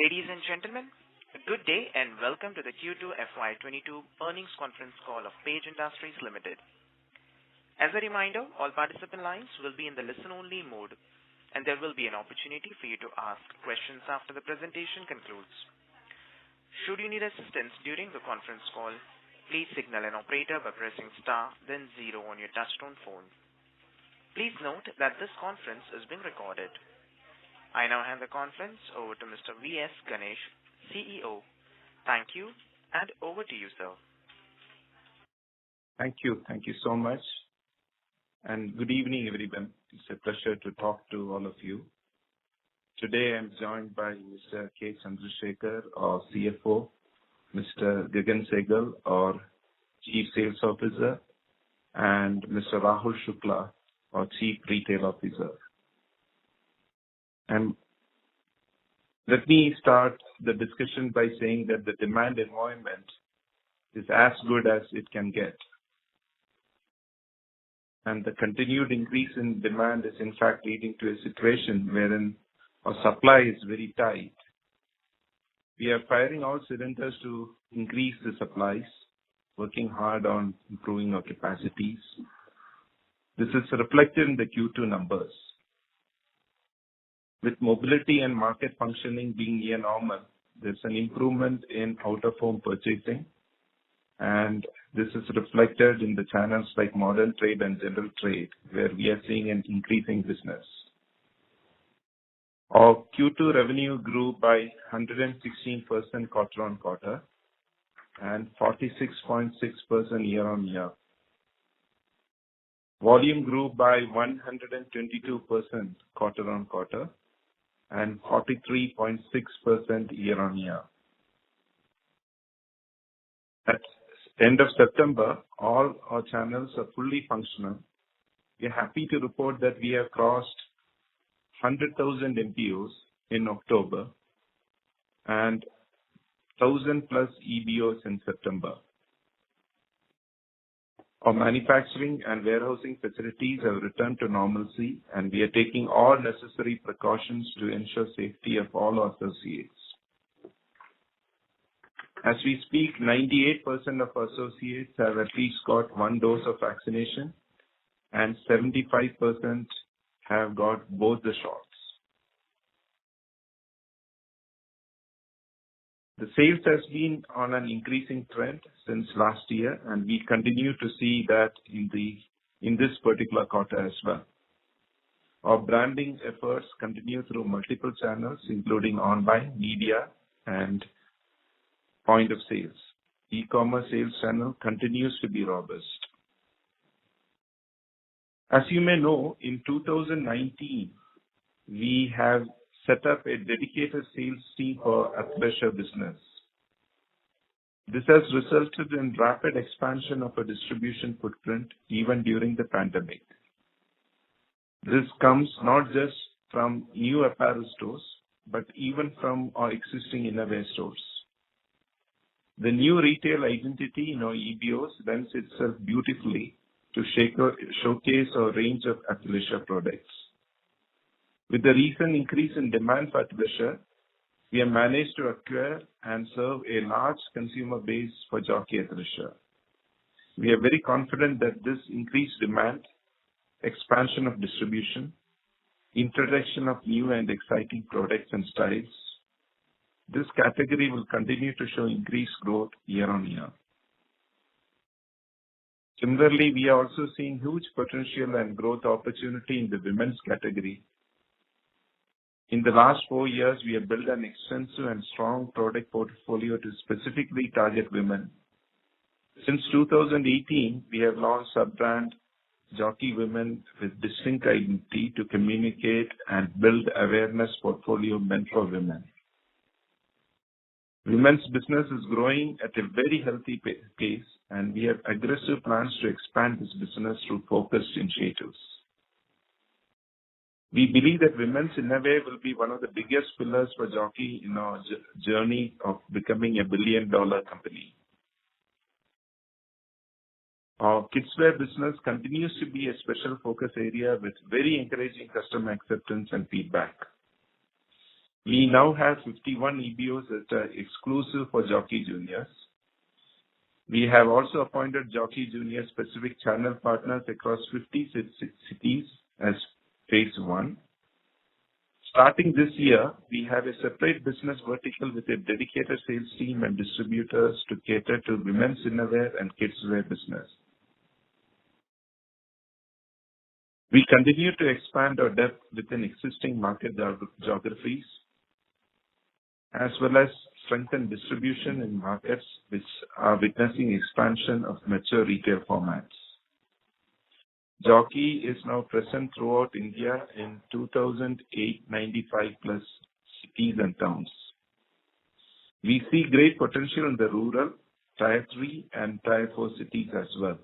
Ladies and gentlemen, good day, and welcome to the Q2 FY 2022 earnings conference call of Page Industries Limited. As a reminder, all participant lines will be in the listen-only mode, and there will be an opportunity for you to ask questions after the presentation concludes. Should you need assistance during the conference call, please signal an operator by pressing star then zero on your touchtone phone. Please note that this conference is being recorded. I now hand the conference over to Mr. V. S. Ganesh, CEO. Thank you, and over to you, sir. Thank you. Thank you so much, and good evening, everyone. It's a pleasure to talk to all of you. Today, I'm joined by Mr. K. Chandrasekar, our CFO, Mr. Gagan Sehgal, our Chief Sales Officer, and Mr. Rahul Shukla, our Chief Retail Officer. Let me start the discussion by saying that the demand environment is as good as it can get. The continued increase in demand is in fact leading to a situation wherein our supply is very tight. We are firing all cylinders to increase the supplies, working hard on improving our capacities. This is reflected in the Q2 numbers. With mobility and market functioning being near normal, there's an improvement in out-of-home purchasing, and this is reflected in the channels like modern trade and general trade, where we are seeing an increasing business. Our Q2 revenue grew by 116% quarter-on-quarter and 46.6% year-on-year. Volume grew by 122% quarter-on-quarter and 43.6% year-on-year. At end of September, all our channels are fully functional. We're happy to report that we have crossed 100,000 MBOs in October and 1,000+ EBOs in September. Our manufacturing and warehousing facilities have returned to normalcy, and we are taking all necessary precautions to ensure safety of all associates. As we speak, 98% of associates have at least got one dose of vaccination, and 75% have got both the shots. The sales has been on an increasing trend since last year, and we continue to see that in this particular quarter as well. Our branding efforts continue through multiple channels, including online, media, and point of sales. E-commerce sales channel continues to be robust. As you may know, in 2019, we have set up a dedicated sales team for athleisure business. This has resulted in rapid expansion of our distribution footprint even during the pandemic. This comes not just from new apparel stores, but even from our existing innerwear stores. The new retail identity in our EBOs lends itself beautifully to showcase our range of athleisure products. With the recent increase in demand for athleisure, we have managed to acquire and serve a large consumer base for Jockey athleisure. We are very confident that this increased demand, expansion of distribution, introduction of new and exciting products and styles, this category will continue to show increased growth year-on-year. Similarly, we are also seeing huge potential and growth opportunity in the women's category. In the last four years, we have built an extensive and strong product portfolio to specifically target women. Since 2018, we have launched sub-brand Jockey Woman with distinct identity to communicate and build awareness portfolio meant for women. Women's business is growing at a very healthy pace, and we have aggressive plans to expand this business through focused initiatives. We believe that women's innerwear will be one of the biggest pillars for Jockey in our journey of becoming a billion-dollar company. Our kidswear business continues to be a special focus area with very encouraging customer acceptance and feedback. We now have 51 EBOs that are exclusive for Jockey Juniors. We have also appointed Jockey Juniors-specific channel partners across 50 cities as phase one. Starting this year, we have a separate business vertical with a dedicated sales team and distributors to cater to women's innerwear and kidswear business. We continue to expand our depth within existing market geographies, as well as strengthen distribution in markets which are witnessing expansion of mature retail formats. Jockey is now present throughout India in 2,895+ cities and towns. We see great potential in the rural tier three and tier four cities as well,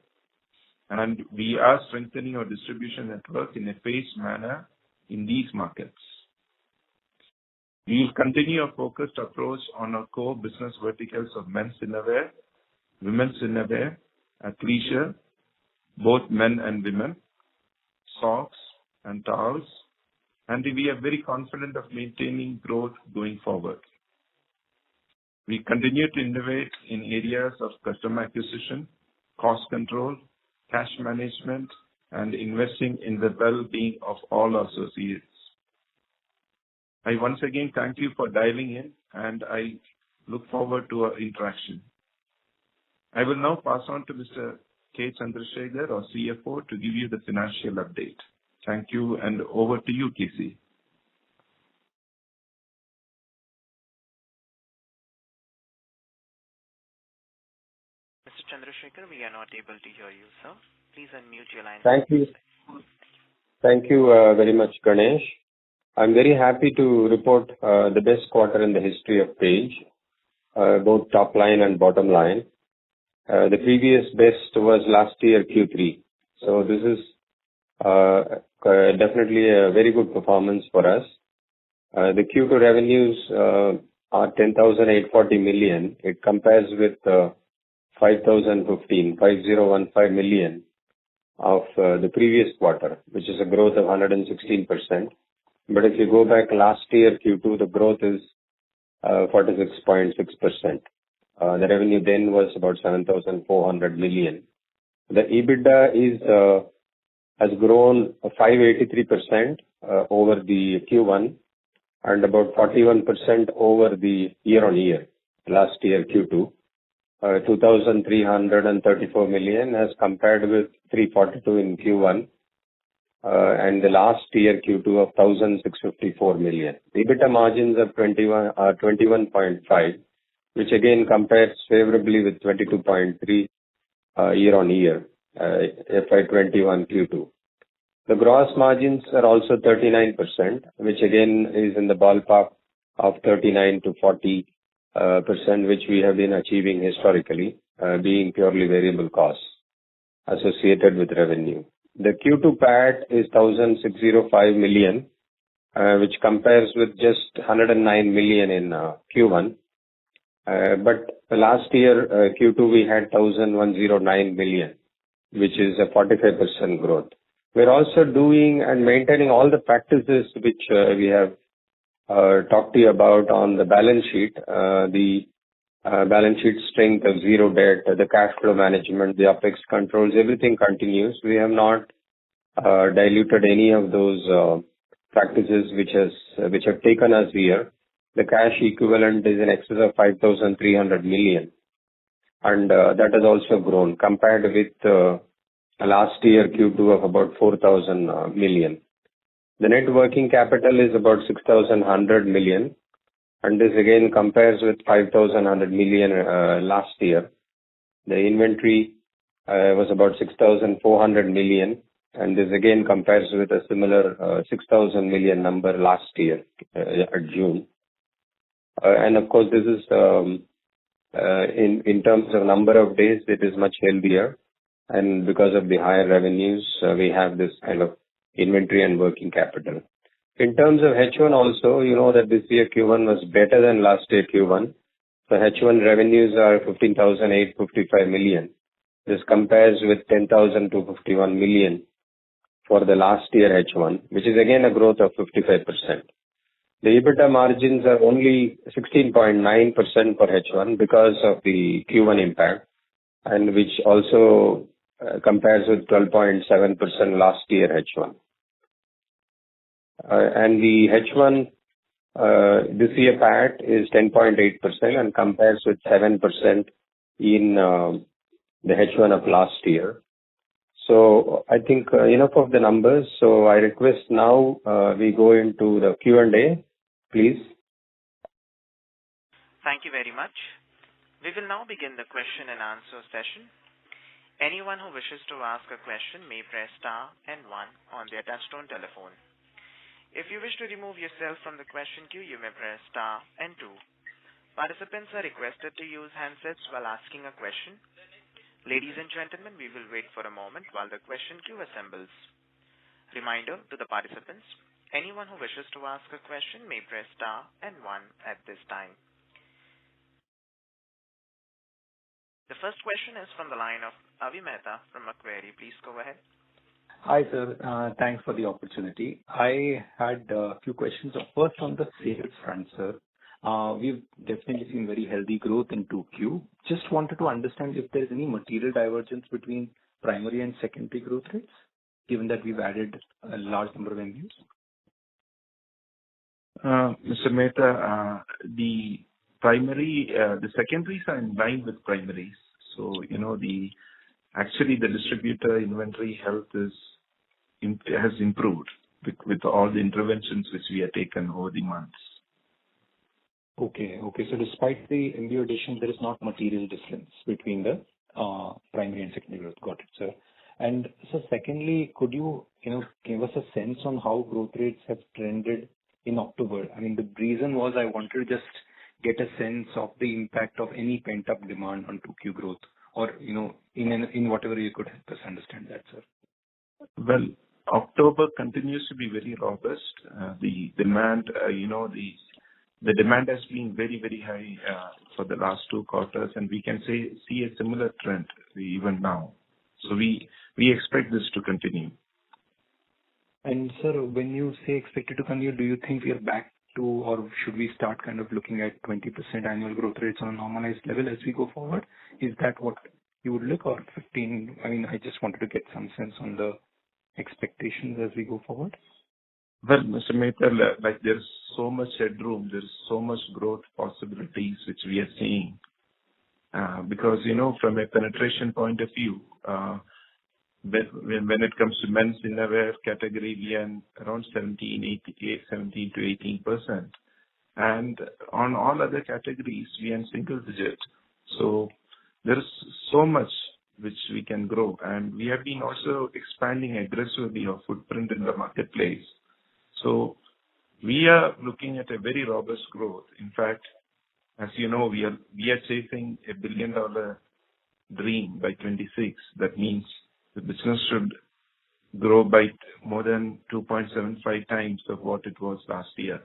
and we are strengthening our distribution network in a phased manner in these markets. We will continue our focused approach on our core business verticals of men's innerwear, women's innerwear, athleisure, both men and women. Socks and towels. We are very confident of maintaining growth going forward. We continue to innovate in areas of customer acquisition, cost control, cash management, and investing in the well-being of all associates. I once again thank you for dialing in, and I look forward to our interaction. I will now pass on to Mr. K. Chandrasekar, our CFO, to give you the financial update. Thank you, and over to you, KC. Mr. Chandrasekar, we are not able to hear you, sir. Please unmute your line. Thank you. Thank you very much, Ganesh. I'm very happy to report the best quarter in the history of Page both top line and bottom line. The previous best was last year Q3. This is definitely a very good performance for us. The Q2 revenues are 10,840 million. It compares with 5,015 million of the previous quarter, which is a growth of 116%. If you go back last year Q2, the growth is 46.6%. The revenue then was about 7,400 million. The EBITDA has grown 583% over the Q1 and about 41% over the year-on-year last year Q2. 2,334 million as compared with 342 million in Q1. The last year Q2 of 1,654 million. The EBITDA margins are 21.5%, which again compares favorably with 22.3% year-on-year, FY 2021 Q2. The gross margins are also 39%, which again is in the ballpark of 39%-40%, which we have been achieving historically, being purely variable costs associated with revenue. The Q2 PAT is 1,605 million, which compares with just 109 million in Q1. Last year Q2, we had 1,009 million, which is a 45% growth. We're also doing and maintaining all the practices which we have talked to you about on the balance sheet. The balance sheet strength of zero debt, the cash flow management, the OPEX controls, everything continues. We have not diluted any of those practices which have taken us here. The cash equivalent is in excess of 5,300 million, and that has also grown compared with last year Q2 of about 4,000 million. The net working capital is about 6,100 million, and this again compares with 5,100 million last year. The inventory was about 6,400 million, and this again compares with a similar 6,000 million number last year at June. Of course this is in terms of number of days, it is much healthier. Because of the higher revenues, we have this kind of inventory and working capital. In terms of H1 also, you know that this year Q1 was better than last year Q1. The H1 revenues are 15,855 million. This compares with 10,251 million for the last year H1, which is again a growth of 55%. The EBITDA margins are only 16.9% for H1 because of the Q1 impact, and which also compares with 12.7% last year H1. The H1 this year PAT is 10.8% and compares with 7% in the H1 of last year. I think enough of the numbers. I request now we go into the Q&A, please. Thank you very much. We will now begin the question-and-answer session. Anyone who wishes to ask a question may press star and one on their touchtone telephone. If you wish to remove yourself from the question queue, you may press star and two. Participants are requested to use handsets while asking a question. Ladies and gentlemen, we will wait for a moment while the question queue assembles. Reminder to the participants, anyone who wishes to ask a question may press star and one at this time. The first question is from the line of Avi Mehta from Macquarie. Please go ahead. Hi, sir. Thanks for the opportunity. I had a few questions. First on the sales front, sir. We've definitely seen very healthy growth in 2Q. Just wanted to understand if there's any material divergence between primary and secondary growth rates, given that we've added a large number of MDs. Mr. Mehta, the primary, the secondaries are in line with primaries. You know, actually, the distributor inventory health has improved with all the interventions which we have taken over the months. Okay. So despite the MD addition, there is no material difference between the primary and secondary growth. Got it, sir. Sir, secondly, could you know, give us a sense on how growth rates have trended in October? I mean, the reason was I want to just get a sense of the impact of any pent-up demand on 2Q growth or, you know, in whatever you could help us understand that, sir. Well, October continues to be very robust. The demand, you know, the The demand has been very, very high for the last two quarters, and we can see a similar trend even now. We expect this to continue. Sir, when you say expected to continue, do you think we are back to or should we start kind of looking at 20% annual growth rates on a normalized level as we go forward? Is that what you would look or 15%? I mean, I just wanted to get some sense on the expectations as we go forward. Well, Mr. Mehta, like there's so much headroom, there's so much growth possibilities which we are seeing. Because, you know, from a penetration point of view, when it comes to men's innerwear category, we are around 17%-18%. On all other categories we are in single-digits. There is so much which we can grow. We have been also expanding aggressively our footprint in the marketplace. We are looking at a very robust growth. In fact, as you know, we are chasing a billion-dollar dream by 2026. That means the business should grow by more than 2.75x of what it was last year.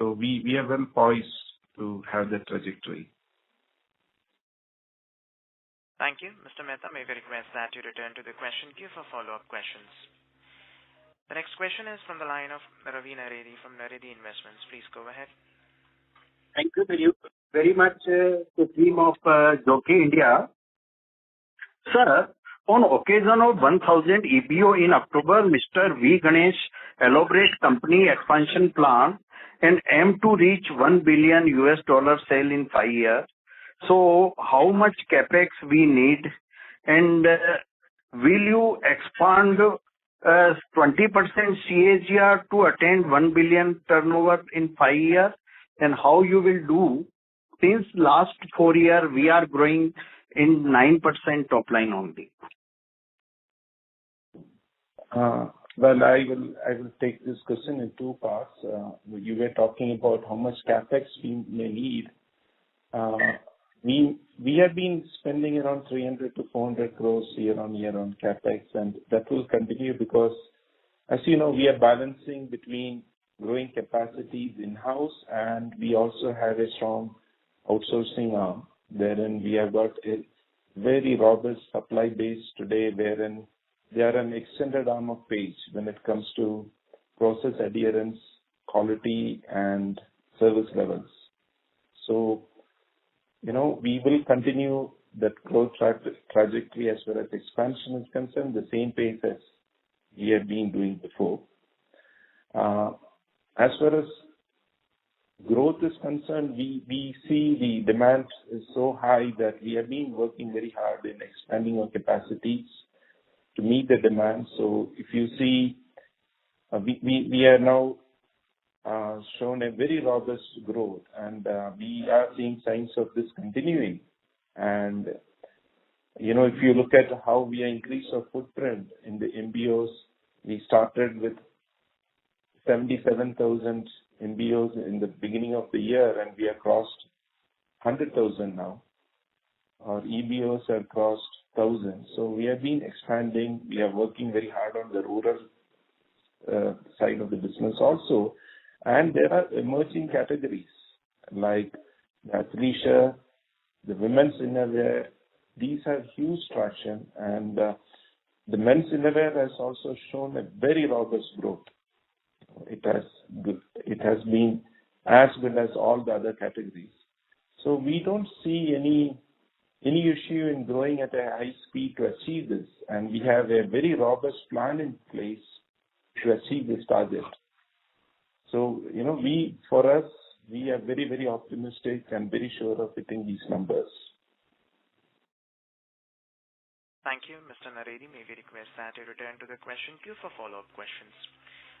We are well poised to have that trajectory. Thank you. Mr. Mehta, may we request that you return to the question queue for follow-up questions. The next question is from the line of Ravi Naredi from Naredi Investments. Please go ahead. Thank you very, very much, the team of Jockey India. Sir, on occasion of 1,000 EBO in October, Mr. V. S. Ganesh elaborate company expansion plan and aim to reach $1 billion sale in five years. How much CapEx we need? Will you expand twenty percent CAGR to attain $1 billion turnover in five years? How you will do since last four year we are growing at 9% top line only. Well, I will take this question in two parts. You were talking about how much CapEx we may need. We have been spending around 300 crores-400 crores year-on-year on CapEx, and that will continue because as you know, we are balancing between growing capacities in-house and we also have a strong outsourcing arm wherein we have got a very robust supply base today, wherein they are an extended arm of Page when it comes to process adherence, quality and service levels. You know, we will continue that growth trajectory as well as expansion is concerned, the same pace as we have been doing before. As far as growth is concerned, we see the demand is so high that we have been working very hard in expanding our capacities to meet the demand. If you see, we are now showing a very robust growth and, we are seeing signs of this continuing. You know, if you look at how we increase our footprint in the MBOs, we started with 77,000 MBOs in the beginning of the year and we have crossed 100,000 now. Our EBOs have crossed thousands. We have been expanding. We are working very hard on the rural side of the business also. There are emerging categories like athleisure, the women's innerwear. These have huge traction and, the men's innerwear has also shown a very robust growth. It has been as well as all the other categories. We don't see any issue in growing at a high speed to achieve this. We have a very robust plan in place to achieve this target. You know, for us, we are very, very optimistic and very sure of hitting these numbers. Thank you, Mr. Naredi. May we request that you return to the question queue for follow-up questions.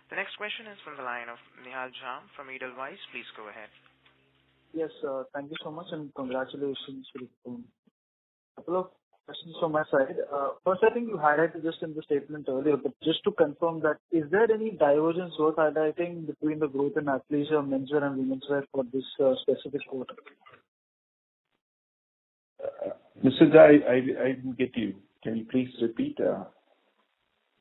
The next question is from the line of Nihal Jham from Edelweiss. Please go ahead. Yes, thank you so much and congratulations. A couple of questions from my side. First, I think you highlighted just in the statement earlier, but just to confirm that is there any divergence worth highlighting between the growth in athleisure, menswear and womenswear for this specific quarter? Mr. Jham, I didn't get you. Can you please repeat?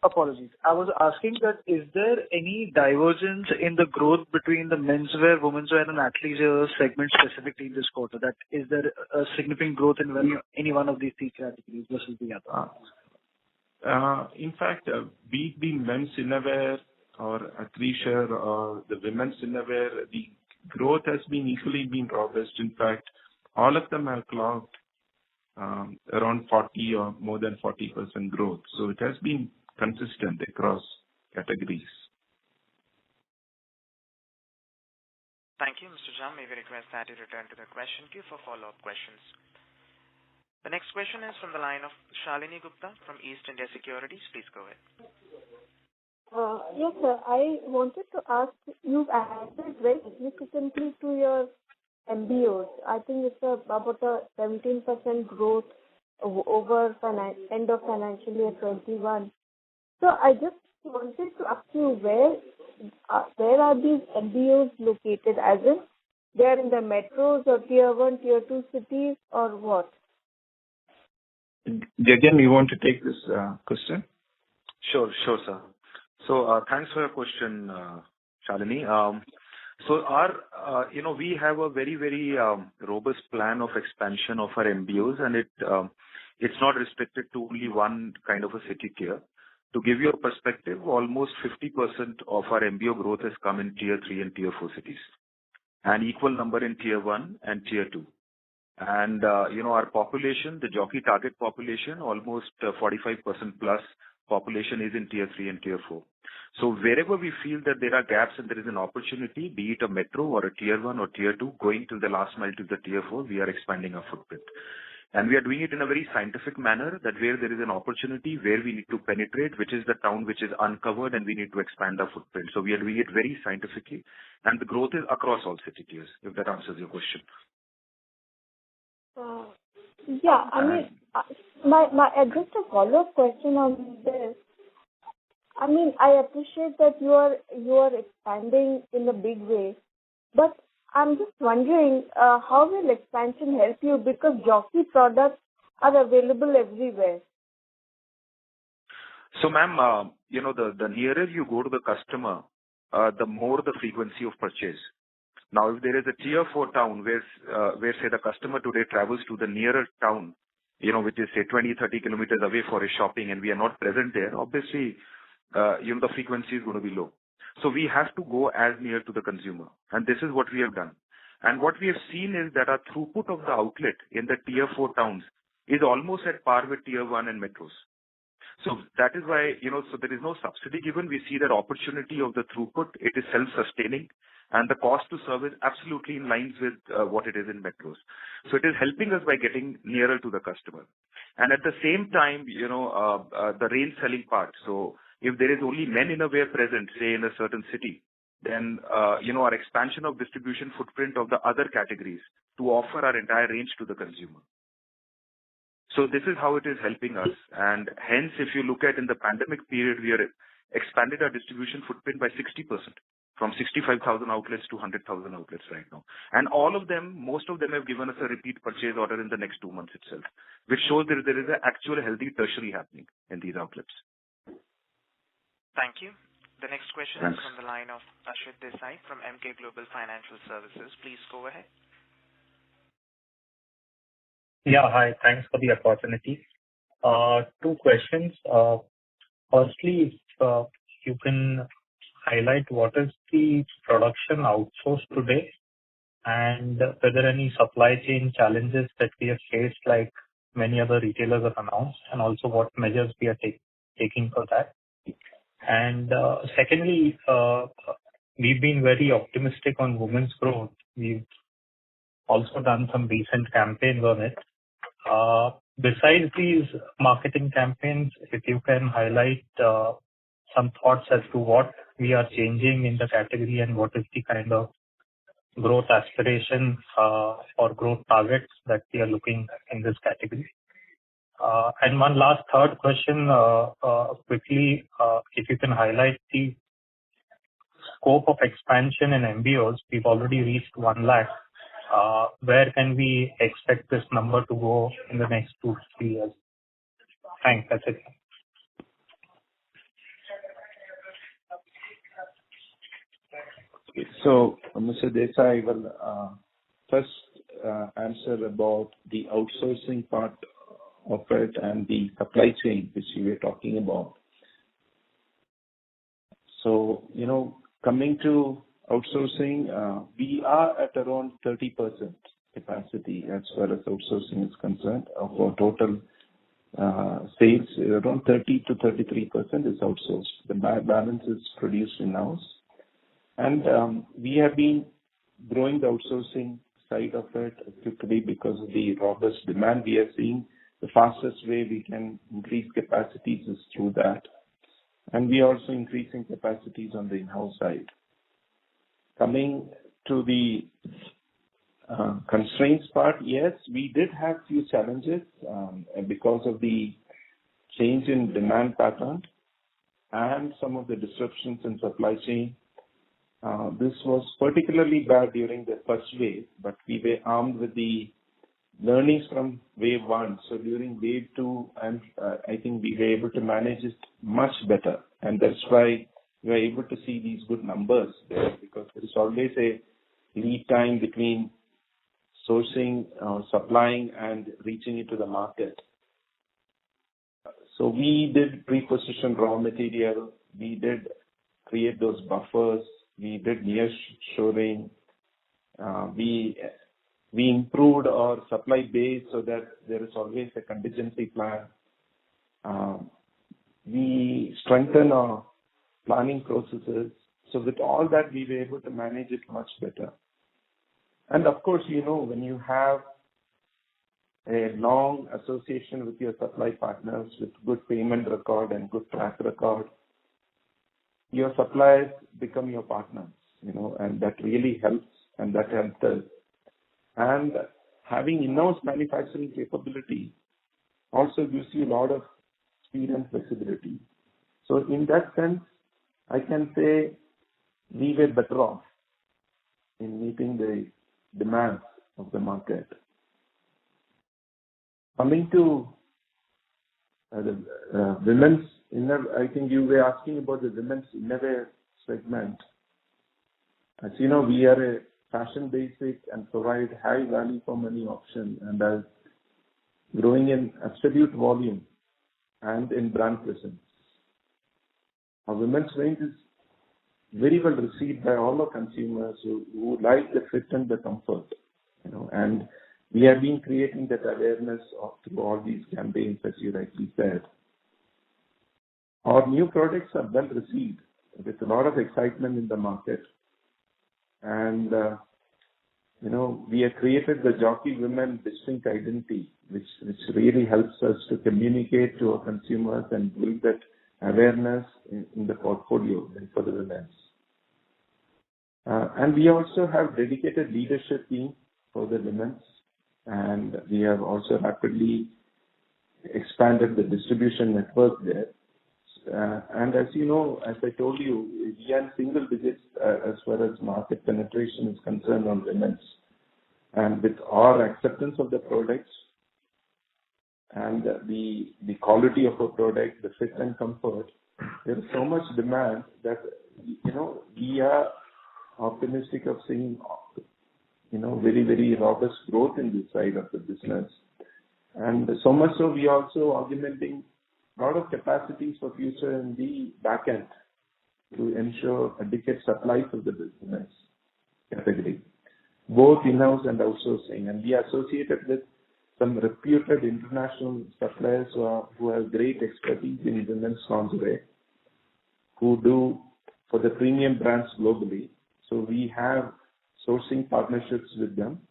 Apologies. I was asking that is there any divergence in the growth between the menswear, womenswear and athleisure segment specifically in this quarter? That is there a significant growth in any one of these three categories versus the other? In fact, be it the men's innerwear or athleisure or the women's innerwear, the growth has been equally robust. In fact, all of them have clocked around 40% or more than 40% growth. It has been consistent across categories. Thank you, Mr. Jham. May we request that you return to the question queue for follow-up questions. The next question is from the line of Shalini Gupta from East India Securities. Please go ahead. Yes, sir. I wanted to ask you've added very significantly to your MBOs. I think it's about a 17% growth over end of financial year 2021. I just wanted to ask you where are these MBOs located? As in they are in the metros or tier one, tier two cities or what? Gagan, you want to take this question? Sure, sir. Thanks for your question, Shalini. We have a very robust plan of expansion of our MBOs, and it's not restricted to only one kind of a city tier. To give you a perspective, almost 50% of our MBO growth has come in tier three and tier four cities, and equal number in tier one and tier two. You know, our population, the Jockey target population, almost 45%+ population is in tier three and tier four. Wherever we feel that there are gaps and there is an opportunity, be it a metro or a tier one or tier two, going to the last mile to the tier four, we are expanding our footprint. We are doing it in a very scientific manner, that where there is an opportunity, where we need to penetrate, which is the town which is uncovered, and we need to expand our footprint. We are doing it very scientifically, and the growth is across all city tiers, if that answers your question. I mean, my aggressive follow-up question on this. I mean, I appreciate that you are expanding in a big way, but I'm just wondering how will expansion help you? Because Jockey products are available everywhere. Ma'am, you know, the nearer you go to the customer, the more the frequency of purchase. Now, if there is a tier four town where, say, the customer today travels to the nearest town, you know, which is, say, 20 km-30 km away for his shopping, and we are not present there, obviously, you know, the frequency is gonna be low. We have to go as near to the consumer, and this is what we have done. What we have seen is that our throughput of the outlet in the tier four towns is almost at par with tier one and metros. That is why, you know, there is no subsidy given. We see that opportunity of the throughput, it is self-sustaining, and the cost to serve is absolutely in line with what it is in metros. It is helping us by getting nearer to the customer. At the same time, you know, the range selling part. If there is only men innerwear present, say, in a certain city, then, you know, our expansion of distribution footprint of the other categories to offer our entire range to the consumer. This is how it is helping us. Hence, if you look at in the pandemic period, we have expanded our distribution footprint by 60%, from 65,000 outlets to 100,000 outlets right now. All of them, most of them have given us a repeat purchase order in the next two months itself, which shows that there is an actual healthy tertiary happening in these outlets. Thank you. The next question. Thanks. The next question is from the line of Ashit Desai from Emkay Global Financial Services. Please go ahead. Yeah, hi. Thanks for the opportunity. Two questions. Firstly, if you can highlight what is the production outsource today, and are there any supply chain challenges that we have faced like many other retailers have announced, and also what measures we are taking for that? Secondly, we've been very optimistic on women's growth. We've also done some recent campaigns on it. Besides these marketing campaigns, if you can highlight some thoughts as to what we are changing in the category and what is the kind of growth aspirations or growth targets that we are looking in this category. One last third question, quickly, if you can highlight the scope of expansion in MBOs. We've already reached 1 lakh. Where can we expect this number to go in the next two, three years? Thanks. That's it. Okay. Mr. Desai, I will first answer about the outsourcing part of it and the supply chain which you were talking about. You know, coming to outsourcing, we are at around 30% capacity as far as outsourcing is concerned. Of our total sales, around 30%-33% is outsourced. The balance is produced in-house. We have been growing the outsourcing side of it quickly because of the robust demand we are seeing. The fastest way we can increase capacities is through that. We are also increasing capacities on the in-house side. Coming to the constraints part, yes, we did have few challenges because of the change in demand pattern and some of the disruptions in supply chain. This was particularly bad during the first wave, but we were armed with the learnings from wave one. During wave two, I think we were able to manage it much better. That's why we are able to see these good numbers there, because there is always a lead time between sourcing, supplying and reaching it to the market. We did pre-position raw material, we did create those buffers, we did nearshoring, we improved our supply base so that there is always a contingency plan. We strengthen our planning processes. With all that, we were able to manage it much better. Of course, you know, when you have a long association with your supply partners with good payment record and good track record, your suppliers become your partners, you know, and that really helps and that helped us. Having in-house manufacturing capability also gives you a lot of speed and flexibility. In that sense, I can say we were better off in meeting the demands of the market. Coming to the women's innerwear segment. I think you were asking about the women's innerwear segment. As you know, we are a fashion basic and provide high value for money option, and are growing in absolute volume and in brand presence. Our women's range is very well received by all our consumers who like the fit and the comfort, you know. We have been creating that awareness through all these campaigns, as you rightly said. Our new products are well received with a lot of excitement in the market. You know, we have created the Jockey Woman distinct identity, which really helps us to communicate to our consumers and build that awareness in the portfolio for the women's. We also have dedicated leadership team for the women's, and we have also rapidly expanded the distribution network there. As you know, as I told you, we are single digits as far as market penetration is concerned on women's. With our acceptance of the products and the quality of our product, the fit and comfort, there's so much demand that, you know, we are optimistic of seeing, you know, very, very robust growth in this side of the business. So much so, we are also augmenting a lot of capacities for future in the back end to ensure adequate supply for the business category, both in-house and outsourcing. We associated with some reputed international suppliers who have great expertise in women's lingerie, who do for the premium brands globally. We have sourcing partnerships with them.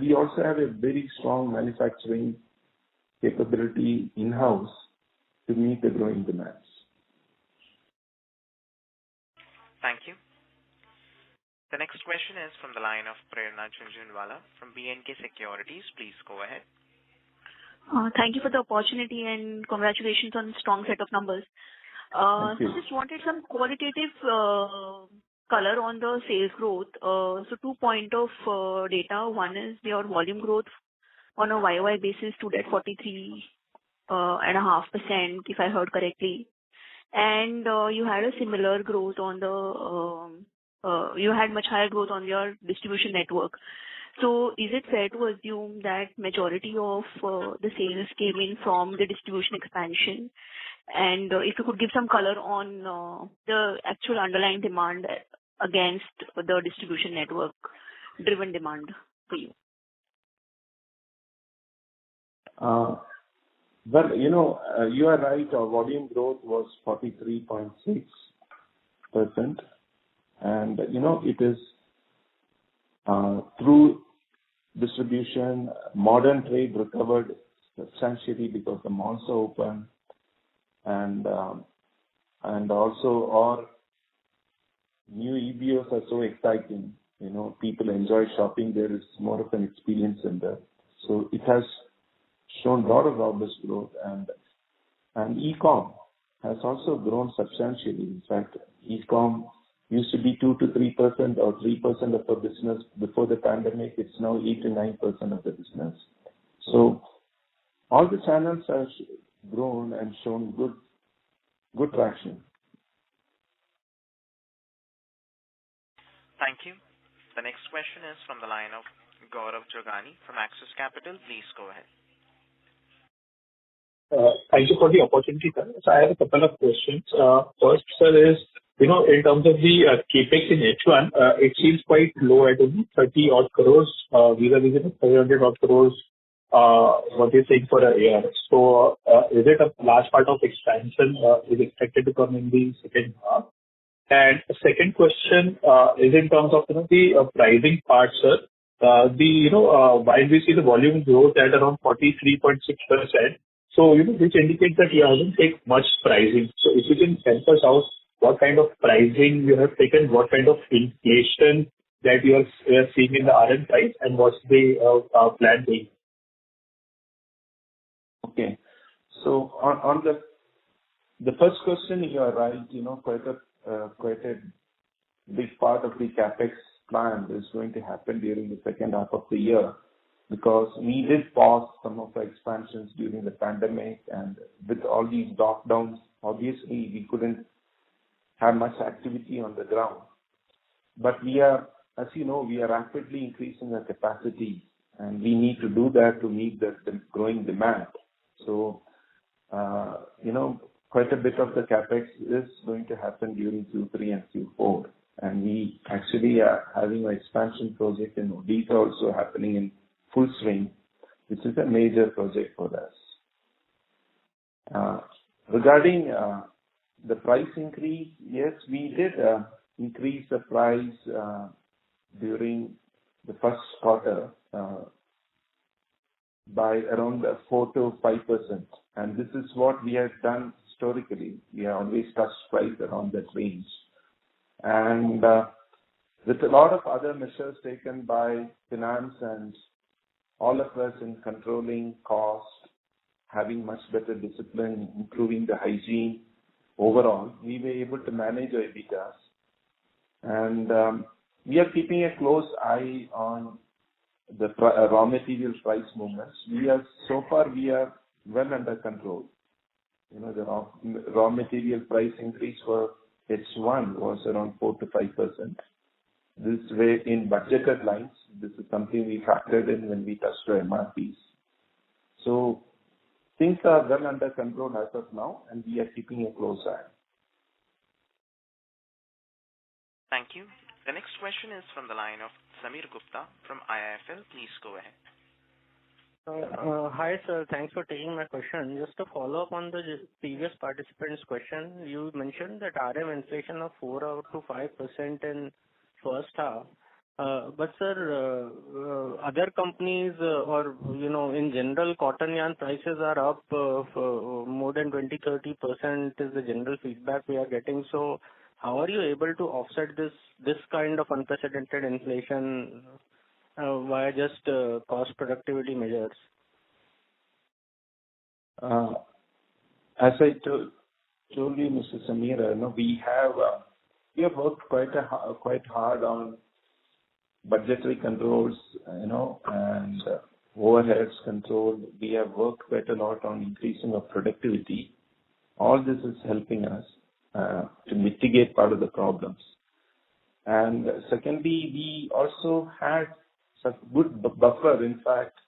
We also have a very strong manufacturing capability in-house to meet the growing demands. Thank you. The next question is from the line of Prerna Jhunjhunwala from B&K Securities. Please go ahead. Thank you for the opportunity, and congratulations on strong set of numbers. Thank you. Just wanted some qualitative color on the sales growth. Two points of data. One is your volume growth on a YoY basis stood at 43.5%, if I heard correctly. You had much higher growth on your distribution network. Is it fair to assume that majority of the sales came in from the distribution expansion? If you could give some color on the actual underlying demand against the distribution network driven demand for you. Well, you know, you are right. Our volume growth was 43.6%. You know, it is through distribution, modern trade recovered substantially because the malls are open, and also our new EBOs are so exciting. You know, people enjoy shopping. There is more of an experience in there. It has shown lot of robust growth. E-com has also grown substantially. In fact, e-com used to be 2%-3% or 3% of our business before the pandemic. It's now 8%-9% of the business. All the channels has grown and shown good traction. Thank you. The next question is from the line of Gaurav Jogani from Axis Capital. Please go ahead. Thank you for the opportunity, sir. I have a couple of questions. First, sir, you know, in terms of the CapEx in H1, it seems quite low at only 30-odd crore. We were looking at 500-odd crore, what you think for a year. Is it a large part of expansion expected to come in the second half? Second question is in terms of, you know, the pricing part, sir. While we see the volume growth at around 43.6%, you know, which indicates that you haven't take much pricing. If you can help us out what kind of pricing you have taken, what kind of inflation that you are seeing in the RM price and what's the plan be? On the first question, you are right. You know, quite a big part of the CapEx plan is going to happen during the second half of the year because we did pause some of our expansions during the pandemic. With all these lockdowns, obviously we couldn't have much activity on the ground. As you know, we are rapidly increasing our capacity, and we need to do that to meet the growing demand. You know, quite a bit of the CapEx is going to happen during Q3 and Q4. We actually are having an expansion project in Noida also happening in full swing, which is a major project for us. Regarding the price increase, yes, we did increase the price during the first quarter by around 4%-5%. This is what we have done historically. We always adjust price around that range. With a lot of other measures taken by finance and all of us in controlling cost, having much better discipline, improving the hygiene, overall, we were able to manage our EBITDA. We are keeping a close eye on the raw material price movements. So far we are well under control. You know, the raw material price increase for H1 was around 4%-5%. This way in budgeted lines, this is something we factored in when we touched our MRPs. Things are well under control as of now, and we are keeping a close eye on it. Thank you. The next question is from the line of Sameer Gupta from IIFL. Please go ahead. Hi, sir. Thanks for taking my question. Just to follow up on the previous participant's question. You mentioned that RM inflation of 4%-5% in first half. But sir, other companies or, you know, in general, cotton yarn prices are up by more than 20%-30% is the general feedback we are getting. How are you able to offset this kind of unprecedented inflation via just cost productivity measures? As I told you, Mr. Sameer Gupta, you know, we have worked quite hard on budgetary controls, you know, and overheads control. We have worked quite a lot on increasing our productivity. All this is helping us to mitigate part of the problems. Secondly, we also had some good buffer. In fact,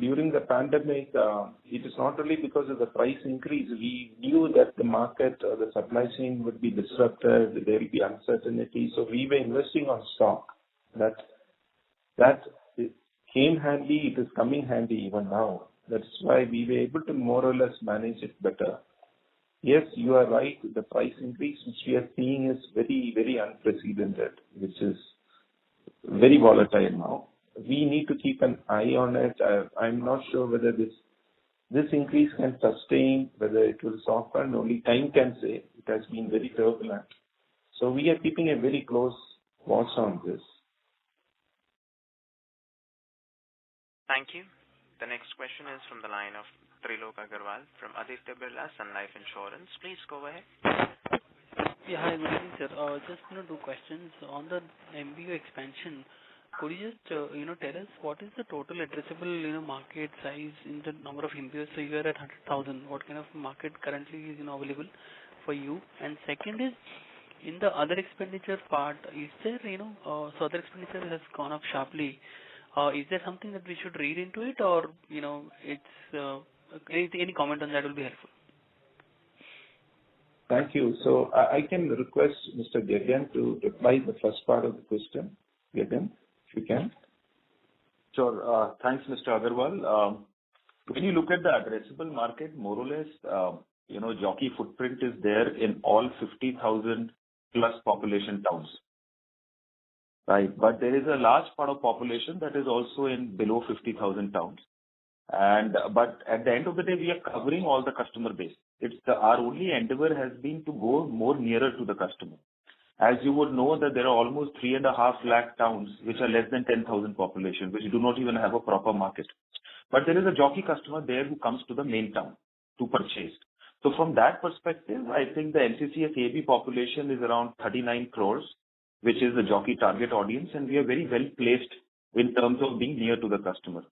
during the pandemic, it is not only because of the price increase, we knew that the market or the supply chain would be disrupted, there will be uncertainty, so we were investing in stock. That it came handy. It is coming handy even now. That's why we were able to more or less manage it better. Yes, you are right. The price increase which we are seeing is very, very unprecedented, which is very volatile now. We need to keep an eye on it. I'm not sure whether this increase can sustain, whether it will soften. Only time can say. It has been very turbulent. We are keeping a very close watch on this. Thank you. The next question is from the line of Trilok Agarwal from Aditya Birla Sun Life Insurance. Please go ahead. Yeah. Hi, good evening, sir. Just kind of two questions. On the MBO expansion, could you just, you know, tell us what is the total addressable, you know, market size in the number of MBOs? So you are at 100,000. What kind of market currently is, you know, available for you? And second is, in the other expenditure part, is there, you know, so other expenditure has gone up sharply. Is there something that we should read into it or, you know, it's. Any comment on that will be helpful. Thank you. I can request Mr. Gagan to reply the first part of the question. Gagan, if you can. Sure. Thanks, Mr. Agarwal. When you look at the addressable market, more or less, you know, Jockey footprint is there in all 50,000+ population towns. Right? But there is a large part of population that is also in below 50,000 towns. But at the end of the day, we are covering all the customer base. Our only endeavor has been to go more nearer to the customer. As you would know that there are almost 3.5 lakh towns which are less than 10,000 population, which do not even have a proper market. But there is a Jockey customer there who comes to the main town to purchase. From that perspective, I think the NCCS A&B population is around 39 crore, which is the Jockey target audience, and we are very well placed in terms of being near to the customer.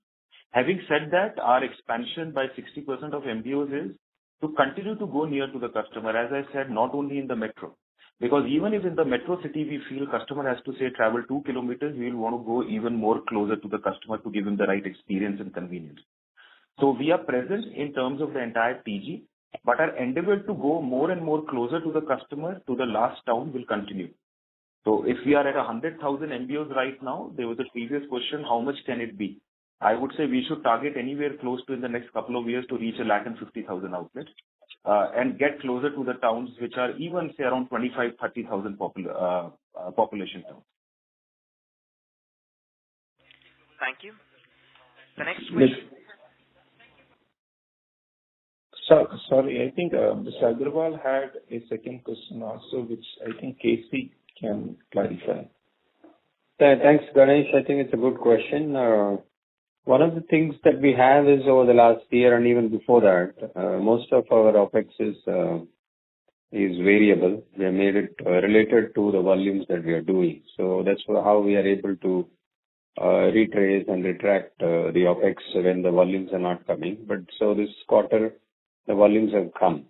Having said that, our expansion by 60% of MBOs is to continue to go near to the customer, as I said, not only in the metro. Because even if in the metro city we feel customer has to, say, travel 2 km, we'll wanna go even more closer to the customer to give him the right experience and convenience. We are present in terms of the entire PG, but our endeavor to go more and more closer to the customer to the last town will continue. If we are at a 100,000 MBOs right now, there was a previous question, how much can it be? I would say we should target anywhere close to in the next couple of years to reach 150,000 outlets and get closer to the towns which are even, say, around 25,000-30,000 population towns. Thank you. Sorry, I think, Mr. Agarwal had a second question also, which I think KC can clarify. Yeah. Thanks, Ganesh. I think it's a good question. One of the things that we have is over the last year and even before that, most of our OpEx is variable. We have made it related to the volumes that we are doing. That's how we are able to retrace and retract the OpEx when the volumes are not coming. This quarter the volumes have come.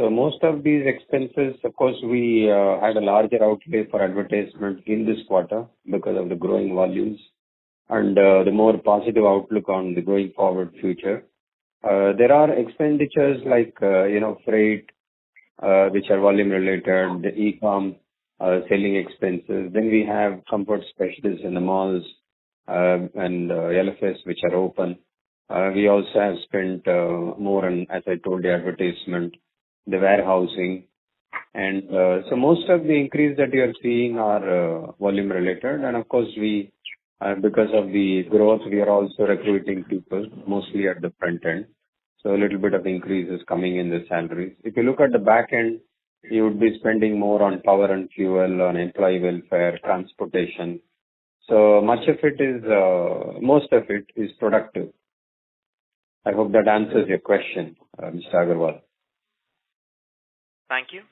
Most of these expenses, of course, we had a larger outlay for advertisement in this quarter because of the growing volumes and the more positive outlook on the going forward future. There are expenditures like, you know, freight, which are volume related, the e-com selling expenses. We have concession counters in the malls and LFS which are open. We also have spent more on, as I told you, advertisement, the warehousing and so most of the increase that you are seeing are volume related. Of course we, because of the growth, we are also recruiting people mostly at the front end. A little bit of increase is coming in the salaries. If you look at the back end, you would be spending more on power and fuel, on employee welfare, transportation. Most of it is productive. I hope that answers your question, Mr. Agarwal. Thank you.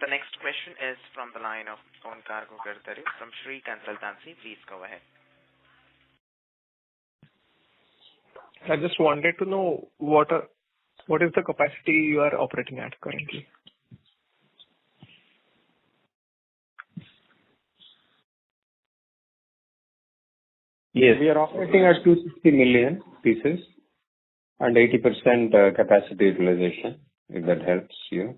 The next question is from the line of Pankaj Garg from Shree Consultancy. Please go ahead. I just wanted to know what is the capacity you are operating at currently? Yes. We are operating at 260 million pieces and 80% capacity utilization, if that helps you.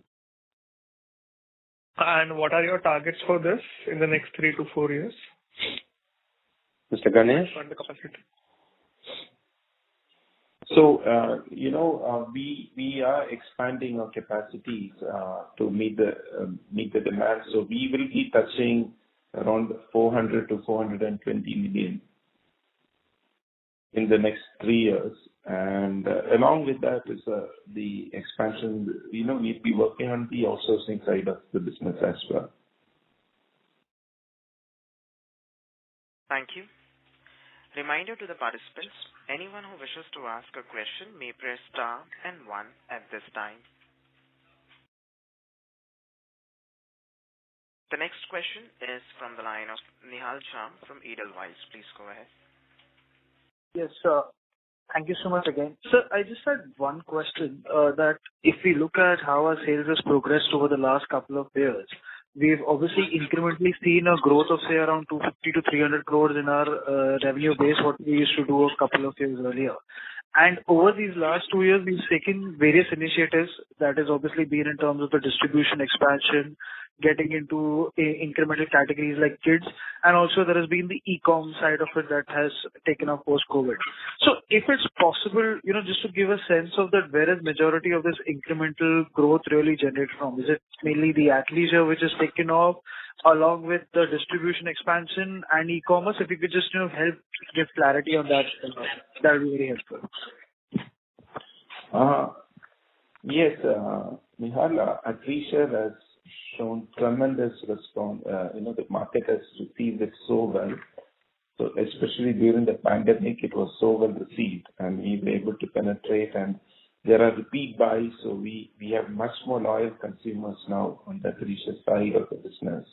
What are your targets for this in the next three to four years? Mr. Ganesh? On the capacity. You know, we are expanding our capacities to meet the demand. We will be touching around 400 million-420 million in the next three years. Along with that is the expansion. You know, we've been working on the outsourcing side of the business as well. Thank you. Reminder to the participants, anyone who wishes to ask a question may press star and one at this time. The next question is from the line of Nihal Jham from Edelweiss. Please go ahead. Yes, sir. Thank you so much again. Sir, I just had one question, that if we look at how our sales has progressed over the last couple of years, we've obviously incrementally seen a growth of, say, around 250 crore-300 crore in our revenue base, what we used to do a couple of years earlier. Over these last two years, we've taken various initiatives that has obviously been in terms of the distribution expansion, getting into incremental categories like kids, and also there has been the e-com side of it that has taken off post-COVID. If it's possible, you know, just to give a sense of that, where is majority of this incremental growth really generated from? Is it mainly the athleisure which has taken off along with the distribution expansion and e-commerce? If you could just, you know, help give clarity on that'd be really helpful. Nihal, athleisure has shown tremendous response. You know, the market has received it so well. Especially during the pandemic, it was so well received, and we were able to penetrate. There are repeat buys, so we have much more loyal consumers now on the athleisure side of the business.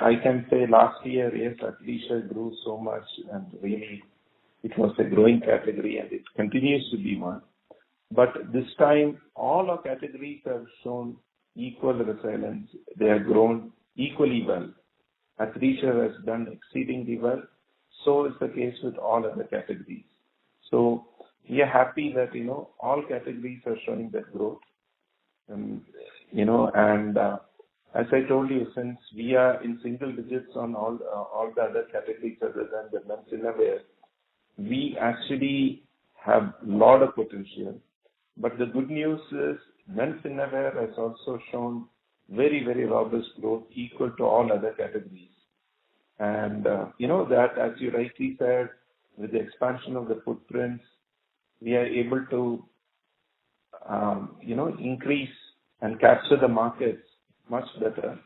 I can say last year, yes, athleisure grew so much, and really it was a growing category, and it continues to be one. This time, all our categories have shown equal resilience. They have grown equally well. Athleisure has done exceedingly well, so is the case with all other categories. We are happy that, you know, all categories are showing that growth. As I told you, since we are in single digits on all the other categories other than the men's innerwear, we actually have lot of potential. But the good news is men's innerwear has also shown very, very robust growth equal to all other categories. You know that as you rightly said, with the expansion of the footprints, we are able to, you know, increase and capture the markets much better.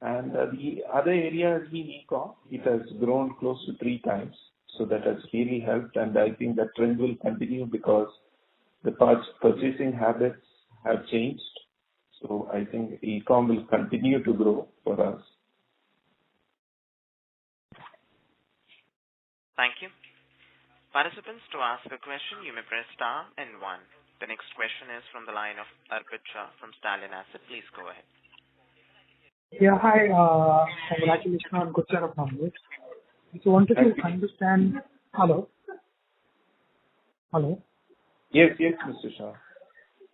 The other area has been e-com. It has grown close to three times, so that has really helped. I think that trend will continue because the purchasing habits have changed. I think e-com will continue to grow for us. The next question is from the line of Arpit Shah from Stallion Asset. Please go ahead. Yeah. Hi, congratulations on good set of numbers. Just wanted to understand. Hello? Hello? Yes, yes, Mr. Shah.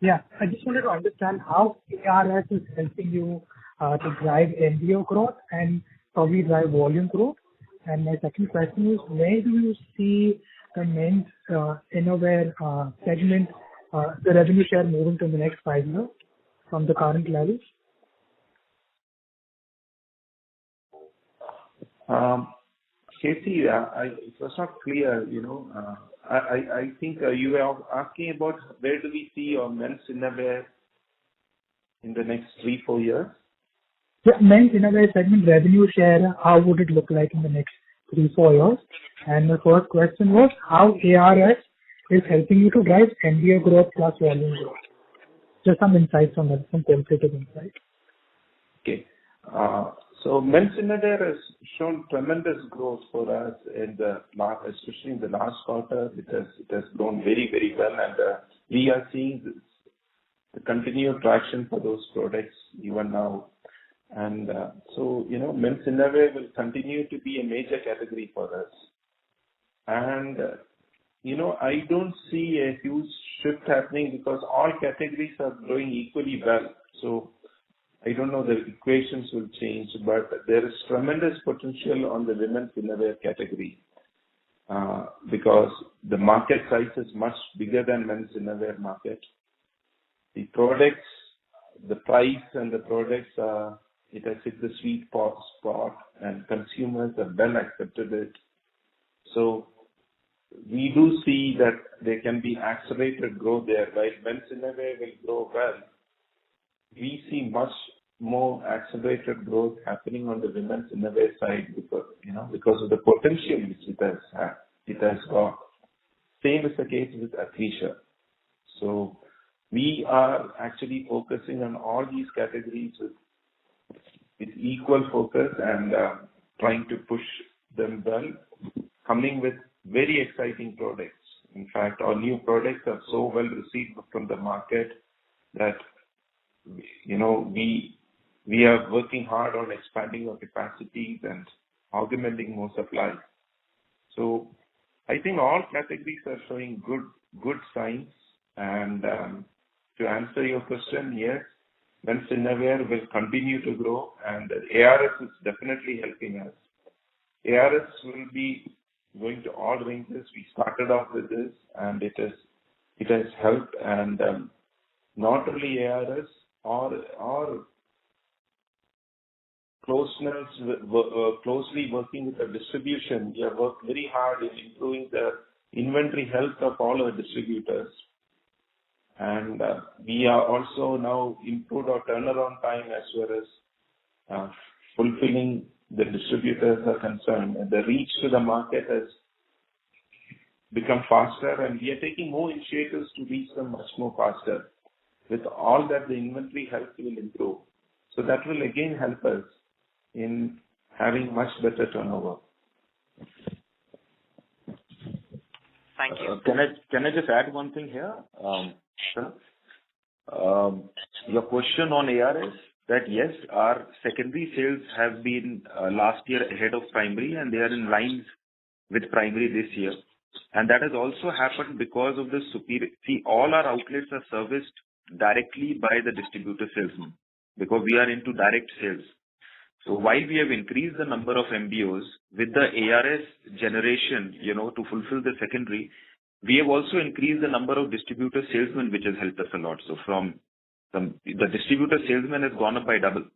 Yeah. I just wanted to understand how ARS is helping you, to drive MBO growth and how we drive volume growth. My second question is, where do you see the men's, innerwear, segment, the revenue share moving to the next five years from the current levels? Actually, it was not clear, you know, I think you were asking about where do we see our men's innerwear in the next three to four years? Yeah. Men's innerwear segment revenue share, how would it look like in the next three to four years? The first question was how ARS is helping you to drive MBO growth plus volume growth. Just some insights on that, some qualitative insight. Okay. Men's innerwear has shown tremendous growth for us in the market, especially in the last quarter. It has grown very, very well. We are seeing the continued traction for those products even now. You know, men's innerwear will continue to be a major category for us. You know, I don't see a huge shift happening because all categories are growing equally well. I don't know the equations will change, but there is tremendous potential on the women's innerwear category because the market size is much bigger than men's innerwear market. The products, the price and the products, it has hit the sweet spot, and consumers have well accepted it. We do see that there can be accelerated growth there, right? Men's innerwear will grow well. We see much more accelerated growth happening on the women's innerwear side because, you know, because of the potential which it has, it has got. Same is the case with athleisure. We are actually focusing on all these categories with equal focus and trying to push them well, coming with very exciting products. In fact, our new products are so well received from the market that, you know, we are working hard on expanding our capacities and augmenting more supply. I think all categories are showing good signs. To answer your question, yes, men's innerwear will continue to grow, and ARS is definitely helping us. ARS will be going to all ranges. We started off with this, and it has helped. Not only ARS, our closeness, working closely with the distributors, we have worked very hard in improving the inventory health of all our distributors. We are also now improved our turnaround time as well as fulfillment, as the distributors are concerned. The reach to the market has become faster, and we are taking more initiatives to reach them much more faster. With all that, the inventory health will improve, so that will again help us in having much better turnover. Thank you. Can I just add one thing here, sir? Your question on ARS, yes, our secondary sales have been last year ahead of primary, and they are in line with primary this year. That has also happened because of the superior service. All our outlets are serviced directly by the distributor salesman because we are into direct sales. While we have increased the number of MBOs with the ARS generation, you know, to fulfill the secondary, we have also increased the number of distributor salesmen, which has helped us a lot. The distributor salesmen have doubled.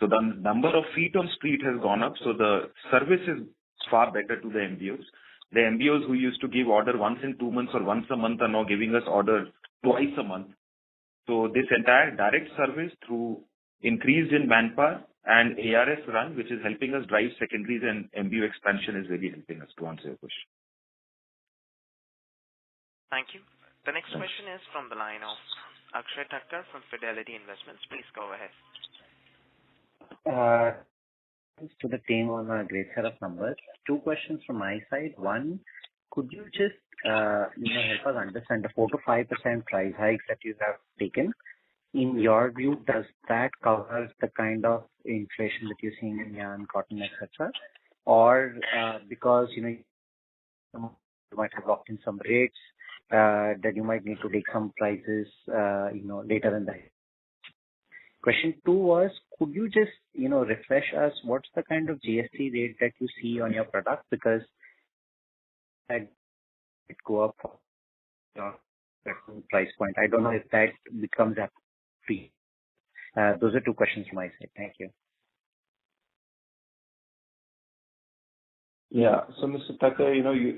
The number of feet on the street has gone up, so the service is far better to the MBOs. The MBOs who used to give order once in two months or once a month are now giving us orders twice a month. This entire direct service through increase in manpower and ARS run, which is helping us drive secondaries and MBO expansion, is really helping us, to answer your question. Thank you. The next question is from the line of Akshen Thakkar from Fidelity Investments. Please go ahead. Thanks to the team on a great set of numbers. Two questions from my side. One, could you just, you know, help us understand the 4%-5% price hike that you have taken. In your view, does that cover the kind of inflation that you're seeing in yarn, cotton, et cetera? Or, because, you know, you might have locked in some rates, that you might need to take some price hikes, you know, later in the year. Question two was, could you just, you know, refresh us what's the kind of GST rate that you see on your product? Because that could go up from price point. I don't know if that becomes a fee. Those are two questions from my side. Thank you. Yeah. Mr. Thakkar, you know, you,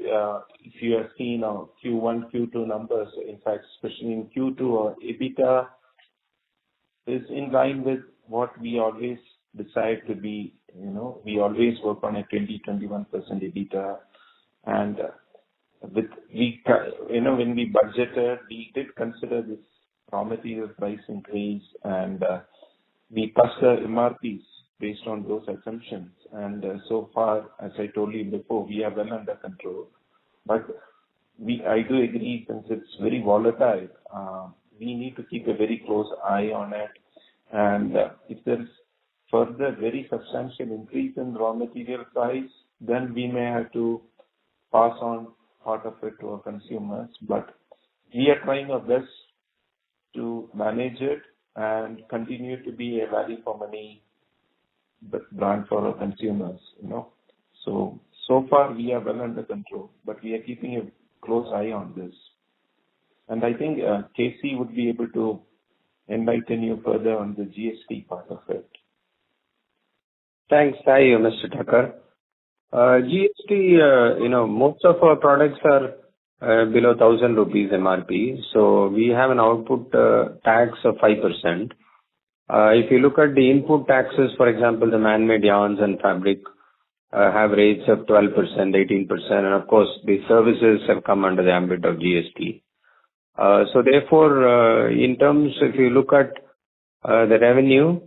if you have seen our Q1, Q2 numbers, in fact, especially in Q2, our EBITDA is in line with what we always decide to be. You know, we always work on a 20%-21% EBITDA. You know, when we budgeted, we did consider this raw material price increase, and we passed the MRPs based on those assumptions. So far, as I told you before, we are well under control. I do agree, since it's very volatile, we need to keep a very close eye on it. If there's further very substantial increase in raw material price, then we may have to pass on part of it to our consumers. We are trying our best to manage it and continue to be a value for money brand for our consumers, you know. So far we are well under control, but we are keeping a close eye on this. I think, KC would be able to enlighten you further on the GST part of it. Thanks to you, Mr. Thakkar. GST, you know, most of our products are below 1,000 rupees MRP, so we have an output tax of 5%. If you look at the input taxes, for example, the man-made yarns and fabric have rates of 12%, 18%, and of course the services have come under the ambit of GST. Therefore, in terms, if you look at the revenue,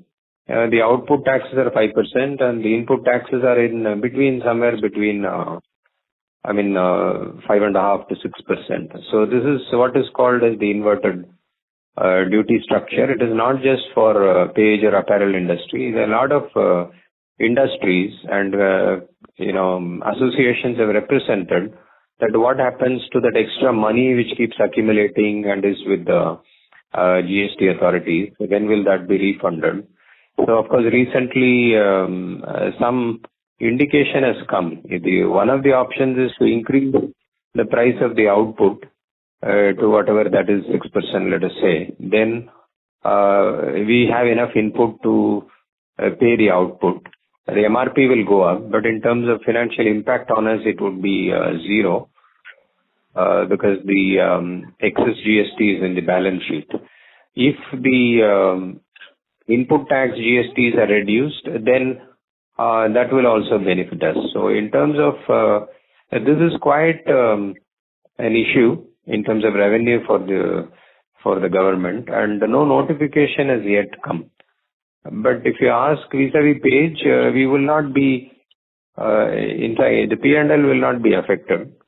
the output taxes are 5% and the input taxes are in between, somewhere between, I mean, 5.5%-6%. This is what is called as the inverted duty structure. It is not just for Page or apparel industry. There are a lot of industries and you know associations have represented that what happens to that extra money which keeps accumulating and is with the GST authority. When will that be refunded? Of course, recently, some indication has come. One of the options is to increase the price of the output to whatever that is, 6% let us say. Then we have enough input to pay the output. The MRP will go up, but in terms of financial impact on us, it would be zero because the excess GST is in the balance sheet. If the input tax GSTs are reduced, then that will also benefit us. In terms of this is quite an issue in terms of revenue for the government, and no notification has yet come. But if you ask vis-à-vis Page, we will not be, in fact, the P&L will not be affected. Thank you.